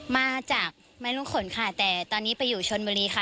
มาจากแม่ลูกขนค่ะแต่ตอนนี้ไปอยู่ชนบุรีค่ะ